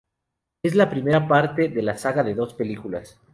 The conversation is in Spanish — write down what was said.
Es la primera parte de una saga de dos películas.